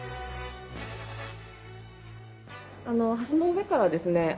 橋の上からですね